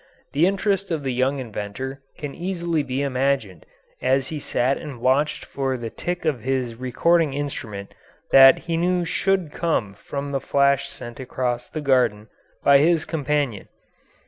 The interest of the young inventor can easily be imagined as he sat and watched for the tick of his recording instrument that he knew should come from the flash sent across the garden by his companion.